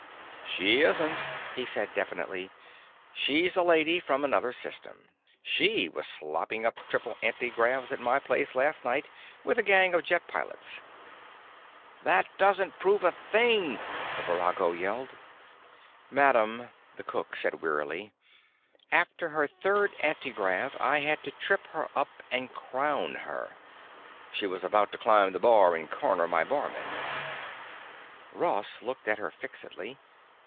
"She isn't," he said definitely. "She's a lady from another system. She was slopping up triple antigravs at my place last night with a gang of jet pilots." "That doesn't prove a thing!" the virago yelled. "Madam," the cook said wearily, "after her third antigrav I had to trip her up and crown her. She was about to climb the bar and corner my barman." Ross looked at her fixedly.